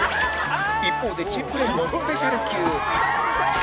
一方で珍プレーもスペシャル級